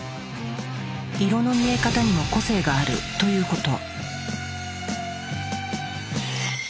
色の見え方にも個性があるということ。